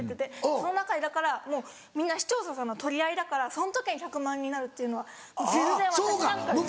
その中でだからみんな視聴者さんの取り合いだからその時に１００万人になるというのは全然私なんかよりすごい。